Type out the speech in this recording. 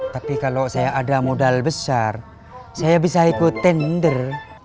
tapi kalau saya ada modal besar saya bisa ikut tender